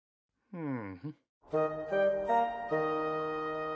うん。